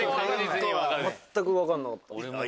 全く分かんなかった。